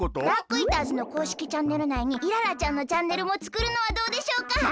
ダークイーターズのこうしきチャンネルないにイララちゃんのチャンネルもつくるのはどうでしょうか？